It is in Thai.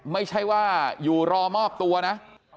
ไม่ใช่ว่าอยู่รอมอบตัวนะ